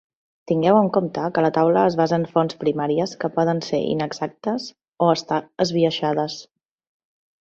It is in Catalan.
Tingueu en compte que la taula es basa en fonts primàries que poden ser inexactes o estar esbiaixades.